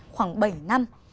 khoảng bảy năm